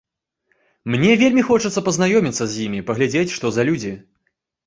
Мне вельмі хочацца пазнаёміцца з імі, паглядзець, што за людзі.